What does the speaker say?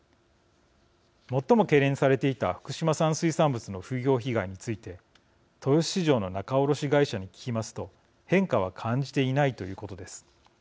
最も懸念されていた福島産水産物の風評被害について豊洲市場の仲卸会社に聞きますと変化は感じていないということです。